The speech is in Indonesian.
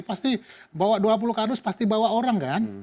pasti bawa dua puluh kardus pasti bawa orang kan